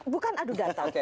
bukan adu data